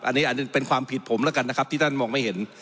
อันนี้เป็นความผิดผมแล้วกันนะครับที่ท่านมองไม่เห็น